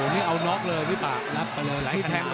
ไม่เอาน็กเลยอันนี้รับไปเลย